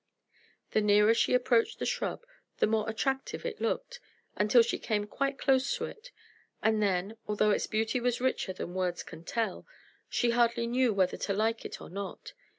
The nearer she approached the shrub, the more attractive it looked, until she came quite close to it; and then, although its beauty was richer than words can tell, she hardly knew whether to like it or not.